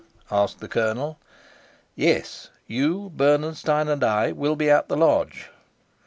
asked the colonel. "Yes; you, Bernenstein, and I will be at the lodge."